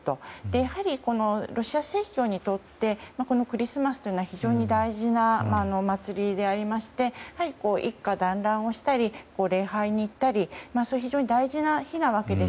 やはり、ロシア正教にとってクリスマスというのは非常に大事なお祭りでありまして一家だんらんしたり礼拝に行ったり非常に大事な日なわけです。